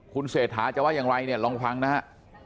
คุณเศรษฐาจะว่าอย่างไรเนี่ยลองฟังนะฮะ